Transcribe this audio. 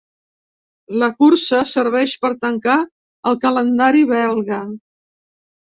La cursa serveix per tancar el calendari belga.